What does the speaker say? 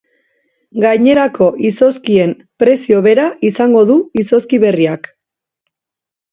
Gainerako izozkien prezio bera izango du izozki berriak.